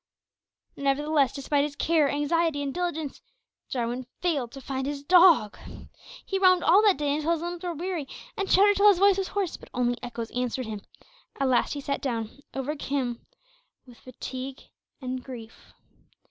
Nevertheless, despite his care, anxiety, and diligence, Jarwin failed to find his dog. He roamed all that day until his limbs were weary, and shouted till his voice was hoarse, but only echoes answered him. At last he sat down, overcome with fatigue and grief.